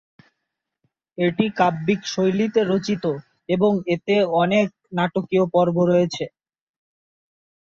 এটি কাব্যিক শৈলীতে রচিত এবং এতে অনেক নাটকীয় পর্ব রয়েছে।